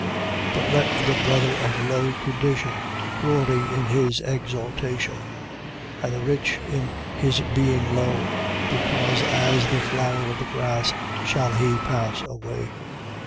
1:9. But let the brother of low condition glory in his exaltation: 1:10. And the rich, in his being low: because as the flower of the grass shall he pass away.